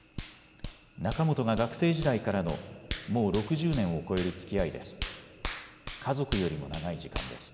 仲本が学生時代からのもう６０年を超えるつきあいです。